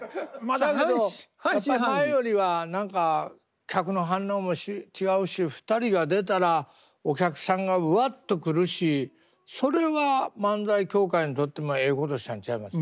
そやけど前よりは何か客の反応も違うし２人が出たらお客さんがわっと来るしそれは漫才協会にとってもええことしたんちゃいます？